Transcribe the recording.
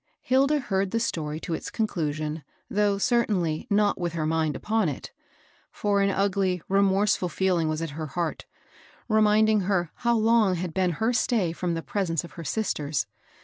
Hilda heard the story to its conclusion, though, certainly, not with her mind upon it ; for an ugly, remorseful feeling was at her heart, reminding her how long had been her stay from the presence of her sisters.